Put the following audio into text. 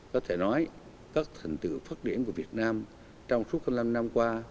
có thể nói các thành tựu phát triển của việt nam trong suốt hai mươi năm năm qua